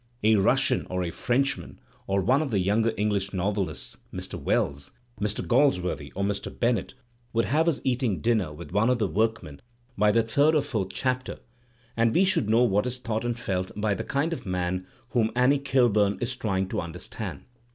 A Russian or a Frenchman or one of the younger English novelists, Mr* Wells, Mr. Gal2;|p0rthy or Mr. Bennett, would have us eating dinner with one of the workmen by the third or fourth chapter, and we should know what is thought and felt by the kind of man whom Annie Kilbum is trying to under stand.